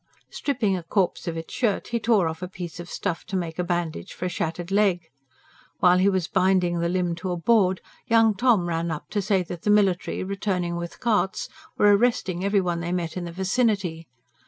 Stripping a corpse of its shirt, he tore off a piece of stuff to make a bandage for a shattered leg. While he was binding the limb to a board, young Tom ran up to say that the military, returning with carts, were arresting every one they met in the vicinity.